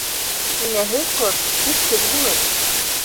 Инәһеҙ ҡорт көсһөҙ булыр.